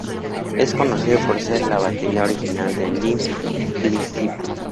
Es conocido por ser el batería original de Limp Bizkit.